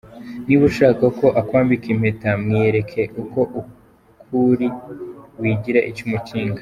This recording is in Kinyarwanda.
Niba ushaka ko akwambika impeta mwiyereke uko ukuri wigira icyo umukinga.